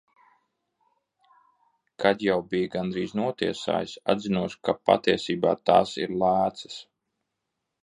Kad jau bija gandrīz notiesājis, atzinos, ka patiesībā tās ir lēcas.